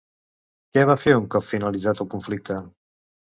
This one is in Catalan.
Què va fer un cop finalitzat el conflicte?